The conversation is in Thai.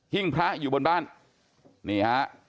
พระอยู่บนบ้านนี่ฮะ